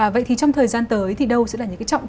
vậy thì trong thời gian tới thì đâu sẽ là những cái trọng